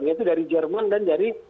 yaitu dari jerman dan dari